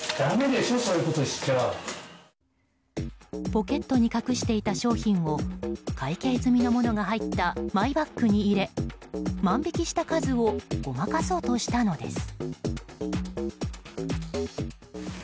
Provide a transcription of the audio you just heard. ポケットに隠していた商品を会計済みのものが入ったマイバッグに入れ万引きした数をごまかそうとしたのです。